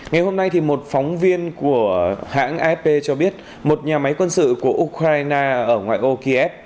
ngày hôm nay một phóng viên của hãng afp cho biết một nhà máy quân sự của ukraine ở ngoại ô kiev